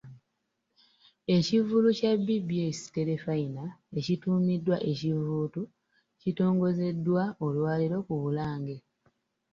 Ekivvulu kya BBS Terefayina ekituumiddwa "Ekivuutu" kitongozeddwa olwaleero ku Bulange.